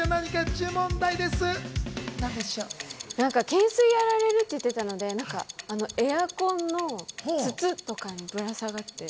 懸垂やられると言っていたので、エアコンの筒とかにぶら下がって。